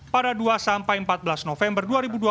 pada dua sampai empat belas november dua ribu dua puluh